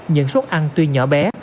những suất ăn tuy nhỏ bé